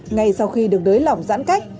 ngay sau khi được nới lỏng giãn cách